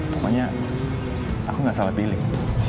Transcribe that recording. pokoknya aku nggak salah pilih